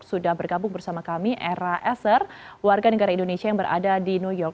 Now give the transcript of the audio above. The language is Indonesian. sudah bergabung bersama kami era eser warga negara indonesia yang berada di new york